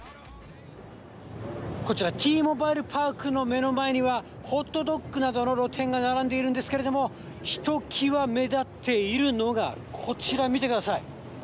こちら、Ｔーモバイル・パークの目の前には、ホットドッグなどの露店が並んでいるんですけれども、ひときわ目立っているのがこちら、見てください。